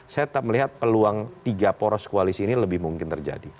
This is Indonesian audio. saya tetap melihat peluang tiga poros koalisi ini lebih mungkin terjadi